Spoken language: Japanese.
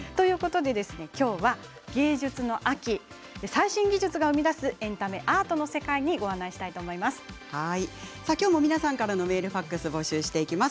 きょうは芸術の秋最新技術が生み出すエンタメアートの世界にご案内したいときょうも皆さんからのメール、ファックスを募集していきます。